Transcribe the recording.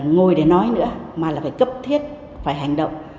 ngồi để nói nữa mà là phải cấp thiết phải hành động